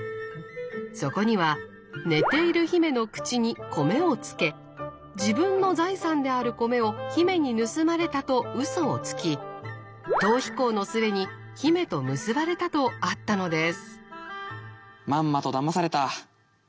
そこには寝ている姫の口に米をつけ自分の財産である米を姫に盗まれたとウソをつき逃避行の末に姫と結ばれたとあったのです。